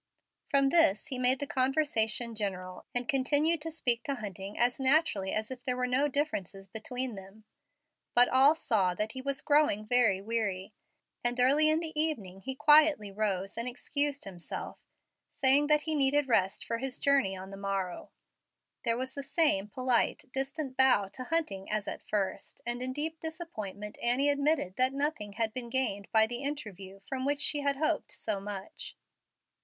From this he made the conversation general, and continued to speak to Hunting as naturally as if there were no differences between them. But all saw that he was growing very weary, and early in the evening he quietly rose and excused himself, saying that he needed rest for his journey on the morrow. There was the same polite, distant bow to Hunting as at first, and in deep disappointment Annie admitted that nothing had been gained by the interview from which she had hoped so much.